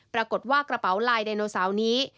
ปรากฏว่ากระเป๋าลายไดโนเสาร์นี้